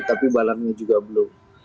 tapi barangnya juga belum